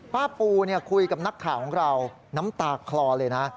ปูคุยกับนักข่าวของเราน้ำตาคลอเลยนะ